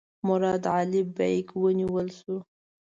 مراد علي بیګ ونیول شو.